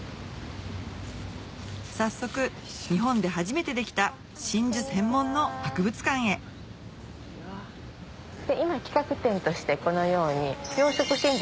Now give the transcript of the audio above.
早速日本で初めてできた真珠専門の博物館へ今企画展としてこのように。